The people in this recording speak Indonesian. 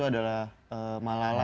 itu adalah malala